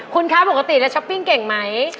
คุณคะปกติแล้วช้อปปิ้งเก่งไหม